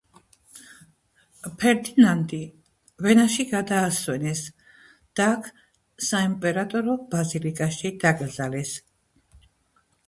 ფერდინანდი ვენაში გადაასვენეს და აქ საიმპერატორო ბაზილიკაში დაკრძალეს.